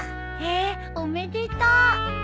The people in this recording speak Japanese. へえおめでとう。